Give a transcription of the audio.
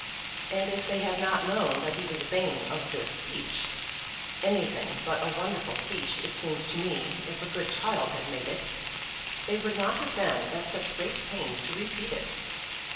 And if they had not known that he was vain of this speech (anything but a wonderful speech it seems to me, if a good child had made it), they would not have been at such great pains to repeat it.